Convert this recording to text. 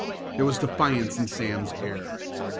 There was defiance in Sam's air.